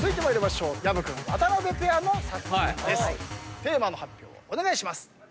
テーマの発表をお願いします。